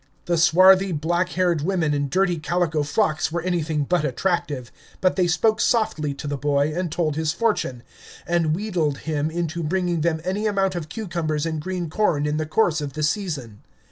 The swarthy, black haired women in dirty calico frocks were anything but attractive, but they spoke softly to the boy, and told his fortune, and wheedled him into bringing them any amount of cucumbers and green corn in the course of the season.